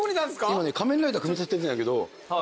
今ね仮面ライダー組み立ててんだけど。